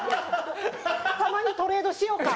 たまにトレードしようか？